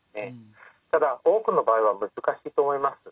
ただ多くの場合は難しいと思います。